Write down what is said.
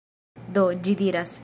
Do, ĝi diras: